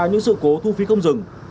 những sự cố thu phí không dừng